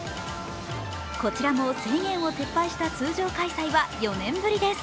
こちらも制限を撤廃した通常開催は４年ぶりです。